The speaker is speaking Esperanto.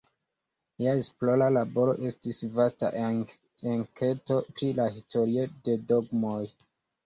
Lia esplora laboro estis vasta enketo pri la historio de dogmoj.